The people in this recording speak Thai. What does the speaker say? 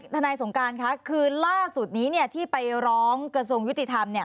ทนายสงการค่ะคือล่าสุดนี้ที่ไปร้องกระทรวงยุติธรรม